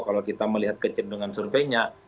kalau kita melihat kecenderungan surveinya